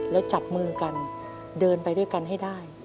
แล้วจับมือกันเดินไปด้วยกันให้ได้